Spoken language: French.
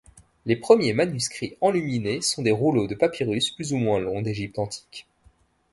Les premiers manuscrits enluminés sont des rouleaux de papyrus plus moins longs d’Égypte antique.